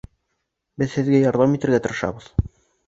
— Беҙ һеҙгә ярҙам итергә тырышырбыҙ!